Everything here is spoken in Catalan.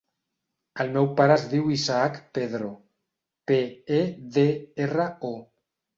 El meu pare es diu Isaac Pedro: pe, e, de, erra, o.